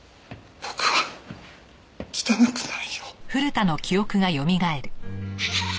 僕は汚くない！